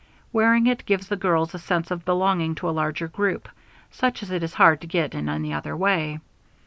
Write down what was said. Wearing it gives the girls a sense of belonging to a larger group, such as it is hard to get in any other way.